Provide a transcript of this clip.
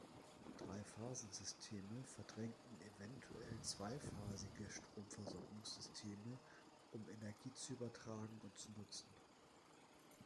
Dreiphasensysteme verdrängten eventuell zweiphasige Stromversorgungssysteme, um Energie zu übertragen und zu nutzen.